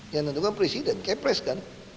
yang menentukan presiden kepres kan